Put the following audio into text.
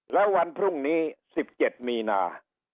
แล้ววันพรุ่งนี้๑๗มีนา